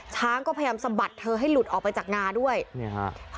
ช้างก็พยายามสะบัดเธอให้หลุดออกไปจากงาด้วยเนี่ยฮะ